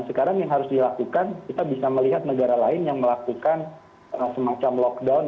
sekarang yang harus dilakukan kita bisa melihat negara lain yang melakukan semacam lockdown